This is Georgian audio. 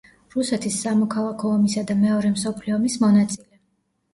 რუსეთის სამოქალაქო ომისა და მეორე მსოფლიო ომის მონაწილე.